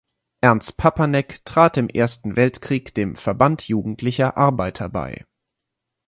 Ernst Papanek trat im Ersten Weltkrieg dem „Verband jugendlicher Arbeiter“ bei.